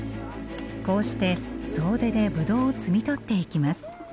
こうして総出でぶどうを摘み取っていきます。